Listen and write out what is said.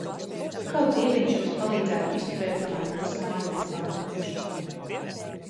Kaut Dieviņš jums palīdzētu izturēt kamēr es mājās pārnākšu.